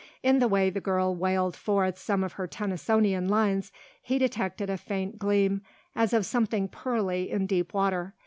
In the way the girl wailed forth some of her Tennysonian lines he detected a faint gleam as of something pearly in deep water.